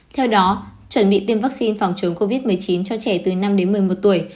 theo đó chuẩn bị tiêm vaccine phòng chống covid một mươi chín cho trẻ từ năm đến một mươi một tuổi